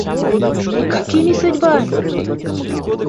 Какими судьбами?